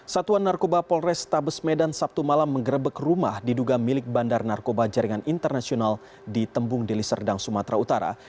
satuan narkoba polres tabes medan sabtu malam mengerebek rumah diduga milik bandar narkoba jaringan internasional di tembung deliserdang sumatera utara